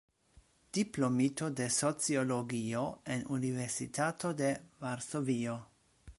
Diplomito de sociologio en Universitato de Varsovio.